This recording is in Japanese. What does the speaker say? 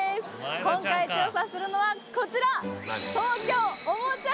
今回調査するのはこちら！